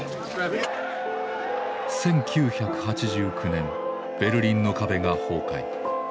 １９８９年ベルリンの壁が崩壊。